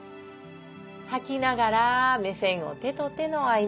吐きながら目線を手と手の間。